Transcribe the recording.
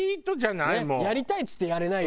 「やりたい」っつってやれないよね。